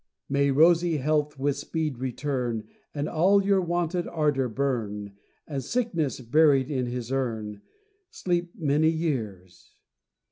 May rosy Health with speed return, And all your wonted ardour burn, And sickness buried in his urn, Sleep many years!